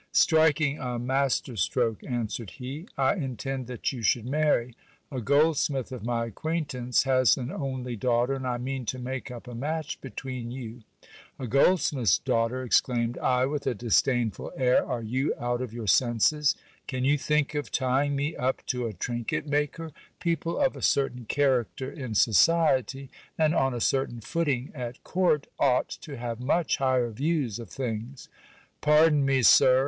Striking a master stroke, answered he. I intend that you should marry. A goldsmith of my ac quaintance has an only daughter, and I mean to make up a match between you. A goldsmith's daughter ! exclaimed I with a disdainful air : are you out of your senses ? Can you think of tying me up to a trinket maker ? People of a certain character in society, and on a certain footing at court, ought to have much higher views of things. Pardon me, sir